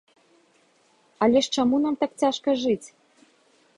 Але ж чаму нам так цяжка жыць?